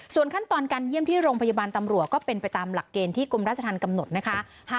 ส่วนขั้นตอนการเยี่ยมที่โรงพยาบาลตำรวจก็เป็นไปตามหลักเกณฑ์ที่กรมราชธรรมกำหนดนะคะ